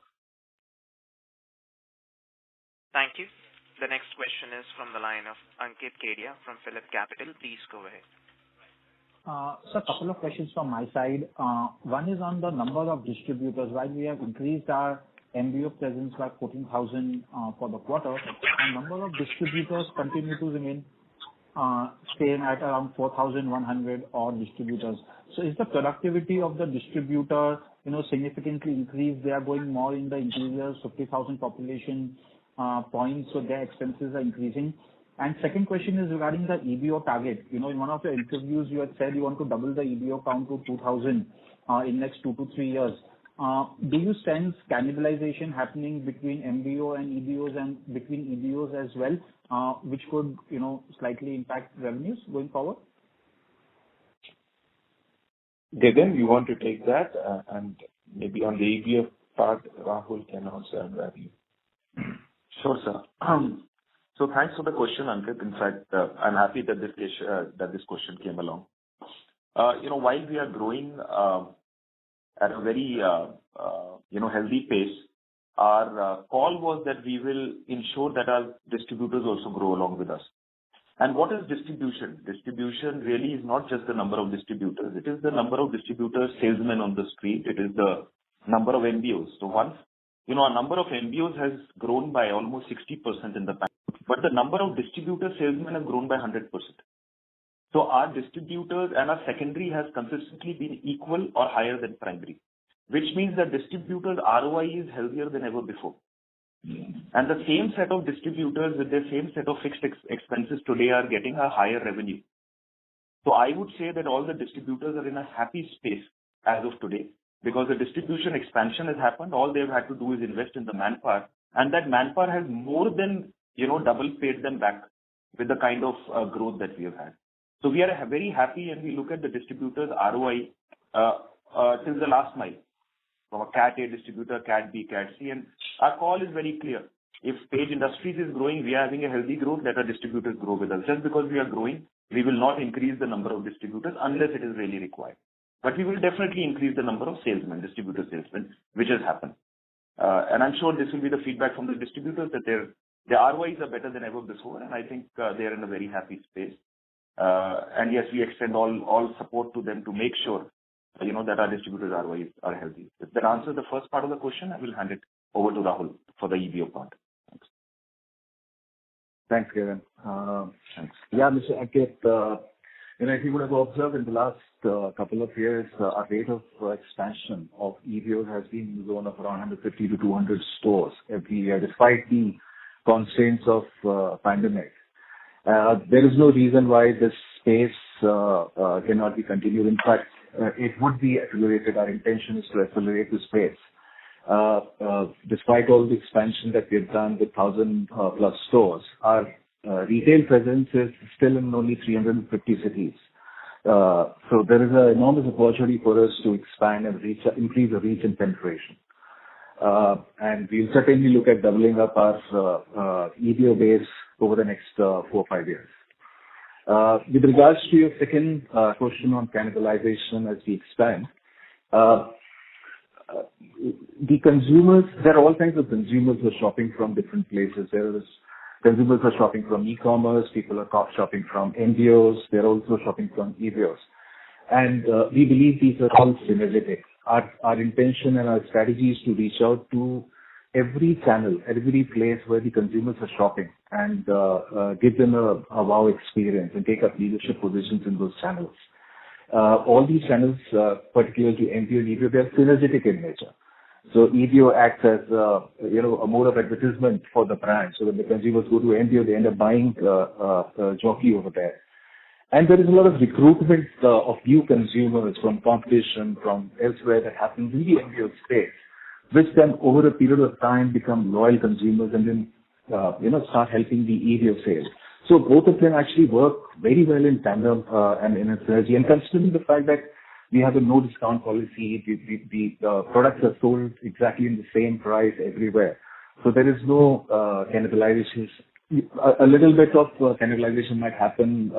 The next question is from the line of Ankit Kedia from PhillipCapital. Please go ahead. Sir, couple of questions from my side. One is on the number of distributors. While we have increased our MBO presence by 14,000 for the quarter, our number of distributors continues to remain at around 4,100-odd distributors. So has the productivity of the distributor, you know, significantly increased? They are going more in the interiors, 50,000 population points, so their expenses are increasing. Second question is regarding the EBO target. You know, in one of the interviews you had said you want to double the EBO count to 2,000 in next two to three years. Do you sense cannibalization happening between MBO and EBOs and between EBOs as well, which could, you know, slightly impact revenues going forward? Gagan, you want to take that? Maybe on the EBO part, Rahul can also add value. Sure, sir. Thanks for the question, Ankit. In fact, I'm happy that this question came along. You know, while we are growing at a very healthy pace, our call was that we will ensure that our distributors also grow along with us. What is distribution? Distribution really is not just the number of distributors. It is the number of distributors salesmen on the street. It is the number of MBOs. Once you know, our number of MBOs has grown by almost 60% in the past, but the number of distributor salesmen has grown by 100%. Our distributors and our secondary has consistently been equal or higher than primary, which means the distributors' ROI is healthier than ever before. The same set of distributors with the same set of fixed expenses today are getting a higher revenue. I would say that all the distributors are in a happy space as of today, because the distribution expansion has happened. All they've had to do is invest in the manpower, and that manpower has more than, you know, double paid them back with the kind of growth that we have had. We are very happy, and we look at the distributors' ROI since the last mile. From a Cat A distributor, Cat B, Cat C. Our call is very clear. If Page Industries is growing, we are having a healthy growth, let our distributors grow with us. Just because we are growing, we will not increase the number of distributors unless it is really required. We will definitely increase the number of salesmen, distributor salesmen, which has happened. I'm sure this will be the feedback from the distributors that their ROIs are better than ever before, and I think they are in a very happy space. Yes, we extend all support to them to make sure, you know, that our distributors' ROIs are healthy. Does that answer the first part of the question? I will hand it over to Rahul for the EBO part. Thanks. Thanks, Gagan. Thanks. Yeah, Mr. Ankit Kedia, you know, I think what I've observed in the last couple of years, our rate of expansion of EBO has been in the zone of around 150-200 stores every year, despite the constraints of the pandemic. There is no reason why this pace cannot be continued. In fact, it would be accelerated. Our intention is to accelerate the pace. Despite all the expansion that we've done with 1,000+ stores, our retail presence is still in only 350 cities. So there is an enormous opportunity for us to expand and increase our reach and penetration. We'll certainly look at doubling up our EBO base over the next four or five years. With regards to your second question on cannibalization as we expand, the consumers. There are all types of consumers who are shopping from different places. There is consumers who are shopping from e-commerce. People are shopping from MBOs. They're also shopping from EBOs. We believe these are all synergistic. Our intention and our strategy is to reach out to every channel, every place where the consumers are shopping, and give them a wow experience and take up leadership positions in those channels. All these channels, particularly MBO and EBO, they are synergistic in nature. EBO acts as, you know, a mode of advertisement for the brand, so when the consumers go to MBO, they end up buying a Jockey over there. There is a lot of recruitment of new consumers from competition, from elsewhere that happens in the MBO space, which then over a period of time become loyal consumers and then, you know, start helping the EBO sales. Both of them actually work very well in tandem and in a synergy. Considering the fact that we have a no discount policy, the products are sold exactly in the same price everywhere. There is no cannibalization. A little bit of cannibalization might happen,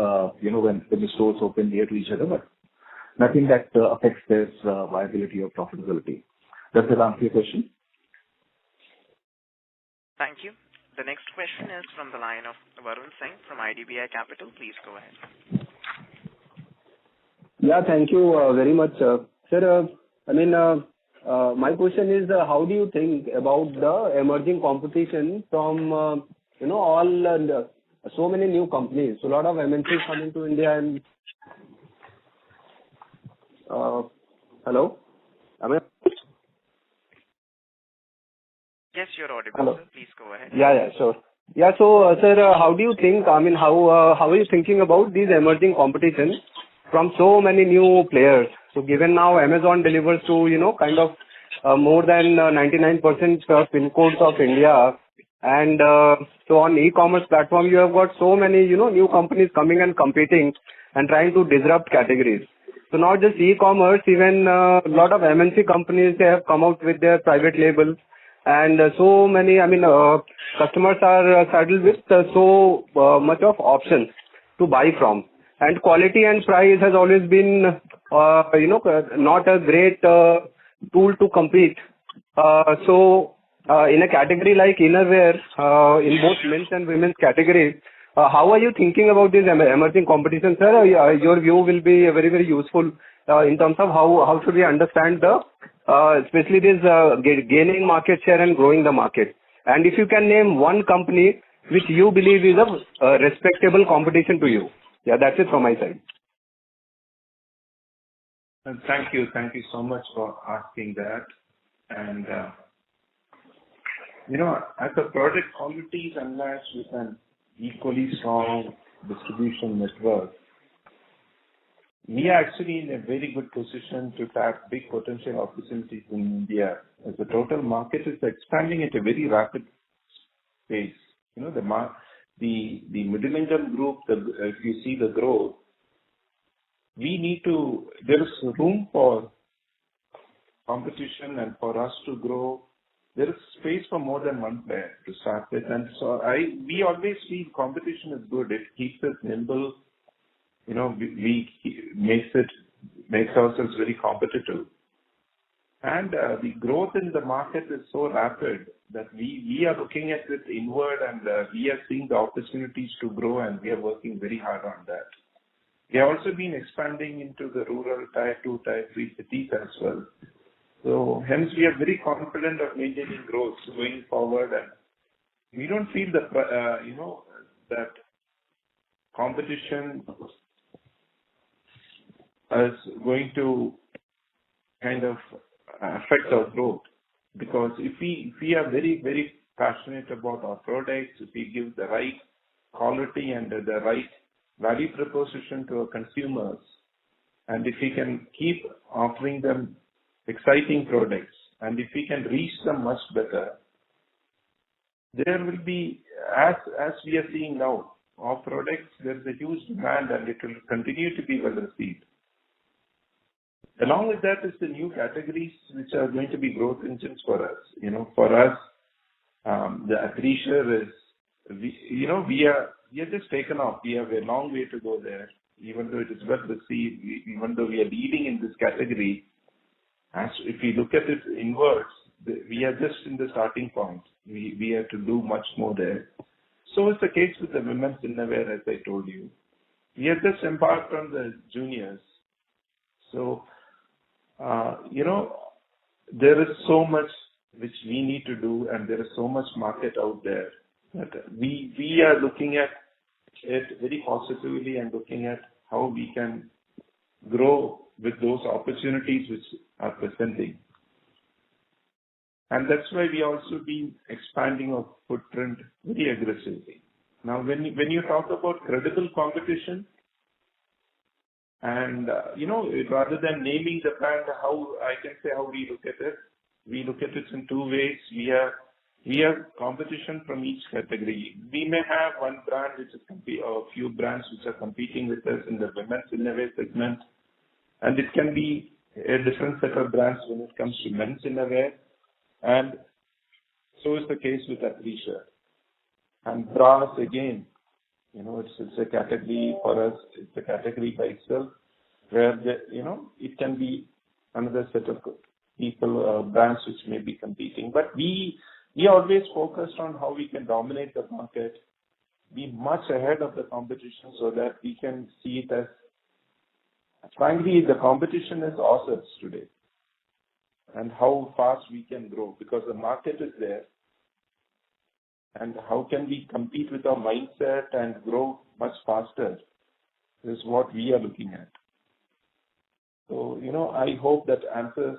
you know, when the stores open near to each other, but nothing that affects their viability or profitability. Does that answer your question? Thank you. The next question is from the line of Varun Singh from IDBI Capital. Please go ahead. Yeah, thank you, very much, sir. Sir, I mean, my question is how do you think about the emerging competition from, you know, online and so many new companies. A lot of MNCs coming to India and hello? I mean- Yes, you're audible, sir. Hello. Please go ahead. Yeah, yeah, sure. Yeah. Sir, how are you thinking about these emerging competitions from so many new players? Given now Amazon delivers to, you know, kind of, more than 99% of pin codes of India and, so on e-commerce platform, you have got so many, you know, new companies coming and competing and trying to disrupt categories. Not just e-commerce, even, a lot of MNC companies, they have come out with their private label and so many. I mean, customers are saddled with so much of options to buy from. Quality and price has always been, you know, not a great tool to compete. In a category like innerwear, in both men's and women's category, how are you thinking about this emerging competition, sir? Your view will be very, very useful in terms of how should we understand, especially this gaining market share and growing the market. If you can name one company which you believe is a respectable competition to you. Yeah, that's it from my side. Thank you. Thank you so much for asking that. As the product quality is unmatched with an equally strong distribution network, we are actually in a very good position to tap big potential opportunities in India as the total market is expanding at a very rapid pace. You know, the middle-income group, if you see the growth, there is room for competition and for us to grow. There is space for more than one player, to start with. We always see competition as good. It keeps us nimble, you know, we make ourselves very competitive. The growth in the market is so rapid that we are looking at it inward and we are seeing the opportunities to grow, and we are working very hard on that. We have also been expanding into the rural tier two, tier three cities as well. Hence we are very confident of maintaining growth going forward. We don't feel that competition is going to kind of affect our growth. Because if we are very, very passionate about our products, if we give the right quality and the right value proposition to our consumers, and if we can keep offering them exciting products, and if we can reach them much better, there will be as we are seeing now, our products. There's a huge demand and it will continue to be well received. Along with that is the new categories which are going to be growth engines for us. For us, the athleisure is. We have just taken off. We have a long way to go there. Even though it is well received, even though we are leading in this category, as if we look at it inwards, we are just in the starting point. We have to do much more there. Is the case with the women's innerwear, as I told you. We have just embarked on the juniors. You know, there is so much which we need to do, and there is so much market out there that we are looking at it very positively and looking at how we can grow with those opportunities which are presenting. That's why we also been expanding our footprint very aggressively. Now, when you talk about credible competition and, you know, rather than naming the brand, how I can say how we look at it, we look at it in two ways. We have competition from each category. We may have one brand or a few brands which are competing with us in the women's innerwear segment, and it can be a different set of brands when it comes to men's innerwear, and so is the case with athleisure. Bras again, you know, it's a category for us. It's a category by itself where, you know, it can be another set of people or brands which may be competing. We always focused on how we can dominate the market, be much ahead of the competition so that we can see it as. Frankly, the competition is awesome today, how fast we can grow because the market is there and how can we compete with our mindset and grow much faster is what we are looking at. I hope that answers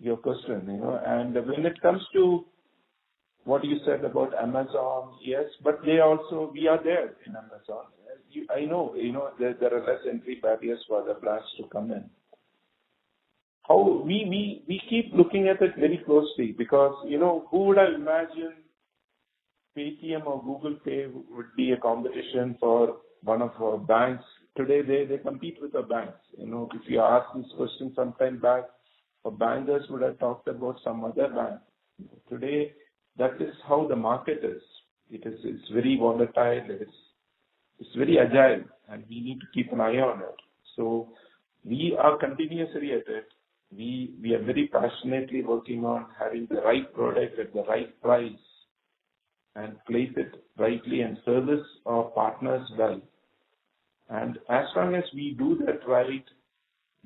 your question, you know. When it comes to what you said about Amazon, yes, but they also. We are there in Amazon. I know, you know, there are less entry barriers for other brands to come in. We keep looking at it very closely because, you know, who would have imagined Paytm or Google Pay would be a competition for one of our banks? Today they compete with the banks. You know, if you ask this question some time back, a bankers would have talked about some other bank. Today, that is how the market is. It's very volatile. It's very agile, and we need to keep an eye on it. We are continuously at it. We are very passionately working on having the right product at the right price. Place it rightly and service our partners well. As long as we do that right,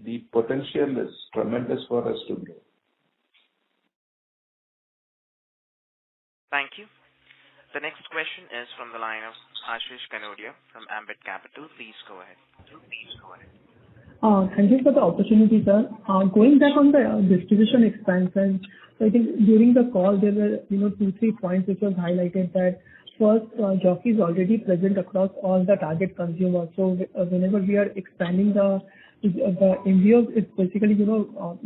the potential is tremendous for us to grow. Thank you. The next question is from the line of Ashish Kanodia from Ambit Capital. Please go ahead. Thank you for the opportunity, sir. Going back on the distribution expenses. I think during the call there were, you know, two, three points which was highlighted that first, Jockey is already present across all the target consumers. Whenever we are expanding the MBOs, it's basically, you know,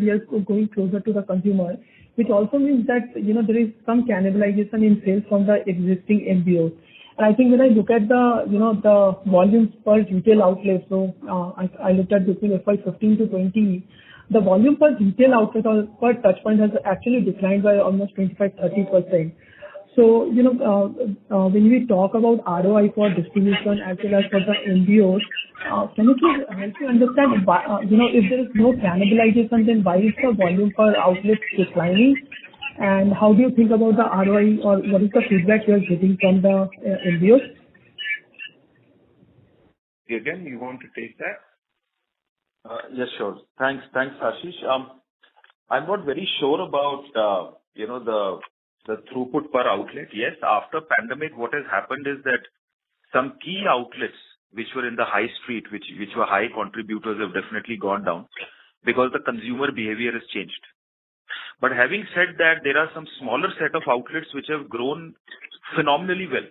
we are going closer to the consumer, which also means that, you know, there is some cannibalization in sales from the existing MBO. I think when I look at the, you know, the volumes per retail outlet. I looked at this, you know, by 15 to 20. The volume per retail outlet or per touch point has actually declined by almost 25%-30%. You know, when we talk about ROI for distribution as well as for the MBOs, can you please help me understand, you know, if there is no cannibalization, then why is the volume per outlet declining? And how do you think about the ROI or what is the feedback you are getting from the MBOs? Gagan, you want to take that? Yes, sure. Thanks. Thanks, Ashish. I'm not very sure about, you know, the throughput per outlet. Yes, after pandemic, what has happened is that some key outlets which were in the high street, which were high contributors, have definitely gone down because the consumer behavior has changed. Having said that, there are some smaller set of outlets which have grown phenomenally well.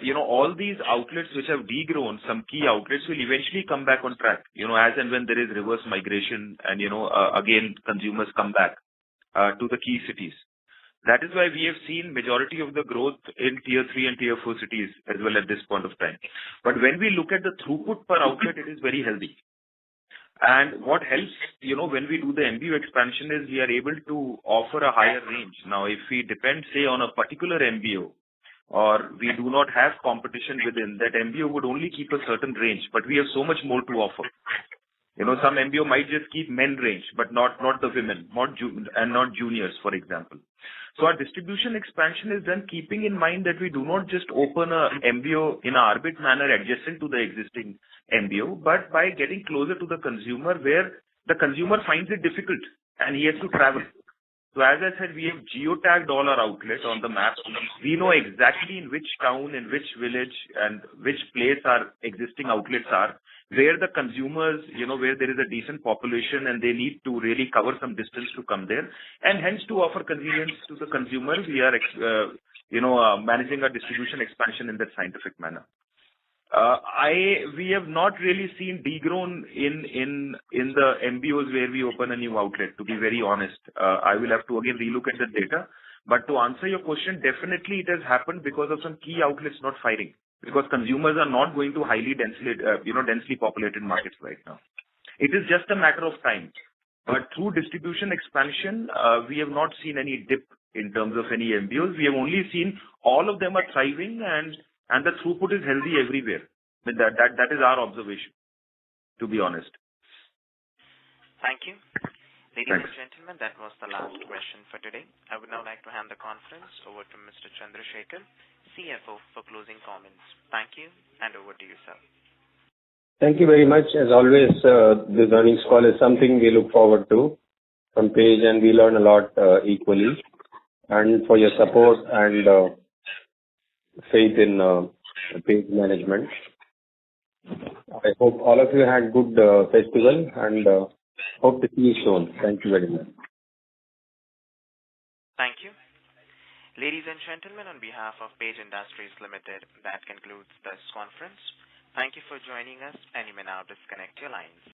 You know, all these outlets which have de-grown, some key outlets, will eventually come back on track. You know, as and when there is reverse migration and, you know, again, consumers come back to the key cities. That is why we have seen majority of the growth in tier three and tier four cities as well at this point of time. When we look at the throughput per outlet, it is very healthy. What helps, you know, when we do the MBO expansion is we are able to offer a higher range. Now, if we depend, say, on a particular MBO or we do not have competition within, that MBO would only keep a certain range, but we have so much more to offer. You know, some MBO might just keep men's range, but not women's, and not juniors, for example. Our distribution expansion is then keeping in mind that we do not just open a MBO in an arbitrary manner adjacent to the existing MBO, but by getting closer to the consumer where the consumer finds it difficult and he has to travel. As I said, we have geotagged all our outlets on the map. We know exactly in which town, in which village, and which place our existing outlets are, where the consumers... You know, where there is a decent population and they need to really cover some distance to come there. Hence to offer convenience to the consumer, we are managing our distribution expansion in that scientific manner. We have not really seen de-growth in the MBOs where we open a new outlet, to be very honest. I will have to again re-look at the data. To answer your question, definitely it has happened because of some key outlets not firing, because consumers are not going to highly densely populated markets right now. It is just a matter of time. Through distribution expansion, we have not seen any dip in terms of any MBOs. We have only seen all of them are thriving and the throughput is healthy everywhere. That is our observation, to be honest. Thank you. Thanks. Ladies and gentlemen, that was the last question for today. I would now like to hand the conference over to Mr. K. Chandrasekar, CFO, for closing comments. Thank you, and over to you, sir. Thank you very much, as always. This earnings call is something we look forward to from Page, and we learn a lot, equally, and for your support and faith in Page management. I hope all of you had good festival and hope to see you soon. Thank you very much. Thank you. Ladies and gentlemen, on behalf of Page Industries Limited, that concludes this conference. Thank you for joining us, and you may now disconnect your lines.